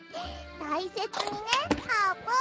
たいせつにねあーぷん。